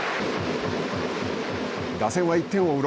打線は１点を追う